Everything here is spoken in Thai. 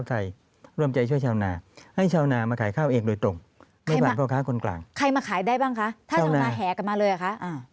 ถ้าชาวนาแหกลับมาเลยอ่ะคะ